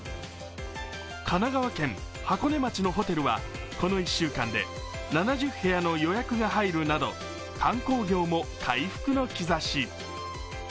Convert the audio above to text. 神奈川県箱根町のホテルはこの１週間で７０部屋の予約が入るなど観光業も回復の兆し。